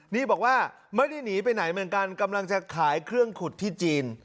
นี่บอกว่าไม่ได้หนีไปไหนเหมือนกันกำลังจะขายเครื่องขุดที่จีน